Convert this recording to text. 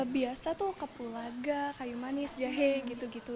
biasa tuh kepulaga kayu manis jahe gitu gitu